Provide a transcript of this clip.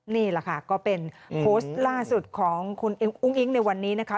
นี่แหละค่ะก็เป็นโพสต์ล่าสุดของคุณอุ้งอิ๊งในวันนี้นะคะ